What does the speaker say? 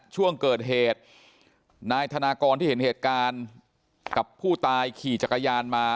ช่วงเกิดเหตุนายธนากรที่เห็นเหตุการณ์กับผู้ตายขี่จักรยานมา